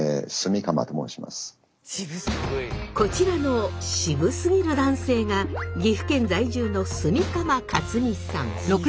こちらの渋すぎる男性が岐阜県在住の炭竈勝美さん。